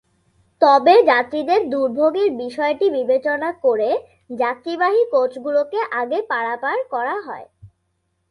তবে যাত্রীদের দুর্ভোগের বিষয়টি বিবেচনা করে যাত্রীবাহী কোচগুলোকে আগে পারাপার করা হয়।